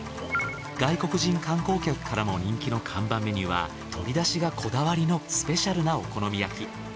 外国人観光客からも人気の看板メニューはとり出汁がこだわりのスペシャルなお好み焼き。